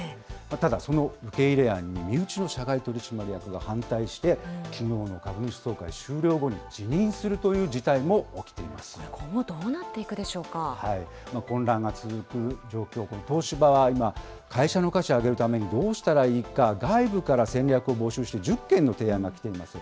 ただ、その受け入れ案に身内の社外取締役が反対して、きのうの株主総会終了後に、辞任するという今後、どうなっていくでしょ混乱が続く状況、東芝は今、会社の価値を上げるためにどうしたらいいか、外部から戦略を募集して、１０件の提案が来ています。